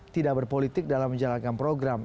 tidak berpolitik dalam menjalankan program